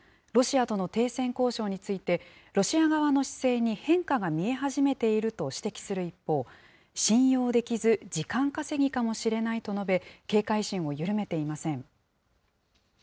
ロシアとの停戦交渉について、ロシア側の姿勢に変化が見え始めていると指摘する一方、信用できず、時間稼ぎかもしれないと述べ、警戒心を緩めていません。